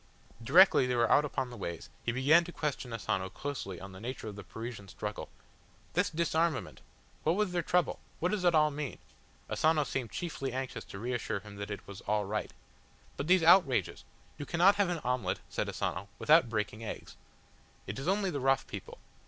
Directly they were out upon the ways he began to question Asano closely on the nature of the Parisian struggle. "This disarmament! What was their trouble? What does it all mean?" Asano seemed chiefly anxious to reassure him that it was "all right." "But these outrages!" "You cannot have an omelette," said Asano, "without breaking eggs. It is only the rough people.